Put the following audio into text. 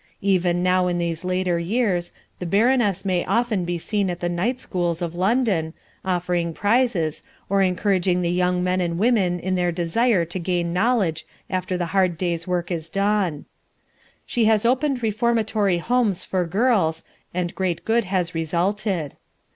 Even now in these later years the Baroness may often be seen at the night schools of London, offering prizes, or encouraging the young men and women in their desire to gain knowledge after the hard day's work is done. She has opened "Reformatory Homes" for girls, and great good has resulted.